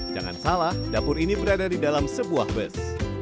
jangan salah dapur ini berada di dalam sebuah bus